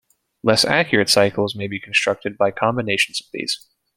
Less accurate cycles may be constructed by combinations of these.